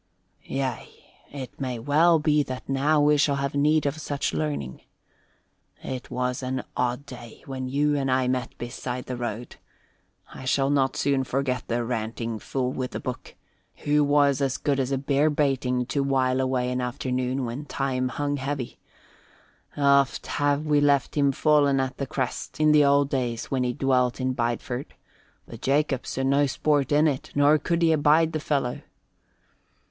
"Yea, it may well be that now we shall have need of such learning. It was an odd day when you and I met beside the road. I shall not soon forget that ranting fool with the book, who was as good as a bear baiting to while away an afternoon when time hung heavy. Oft ha' we left him fallen at the crest, in the old days when he dwelt in Bideford, but Jacob saw no sport in it, nor could he abide the fellow."